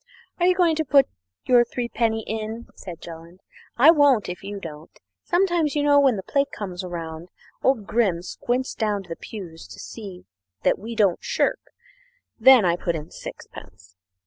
"Are you going to put your threepenny bit in?" said Jolland; "I won't if you don't. Sometimes, you know, when the plate comes round, old Grim squints down the pews to see we don't shirk. Then I put in sixpence.